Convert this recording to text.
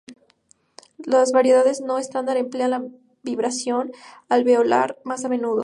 Las variedades no estándar emplean la vibración alveolar más a menudo.